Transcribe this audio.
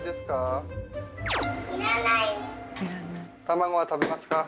卵は食べますか？